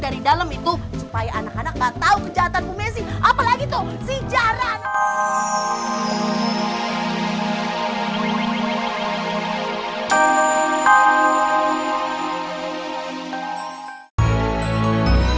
dari dalam itu supaya anak anak gak tahu kejahatan bu messi apalagi tuh sejarah